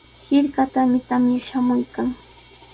Hirkatami tamya shamuykan.